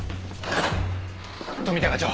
富田課長！